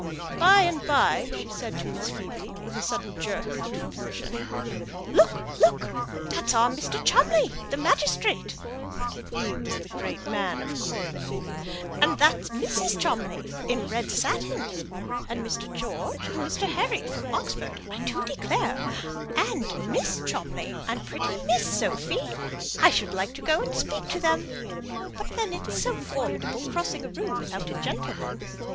By and by she said to Miss Phoebe, with a sudden jerk out of position, "Look, look! that's our Mr. Cholmley, the magistrate" (he was the great man of Coreham), "and that's Mrs. Cholmley in red satin, and Mr. George and Mr. Harry from Oxford, I do declare; and Miss Cholmley, and pretty Miss Sophy. I should like to go and speak to them, but then it's so formidable crossing a room without a gentleman.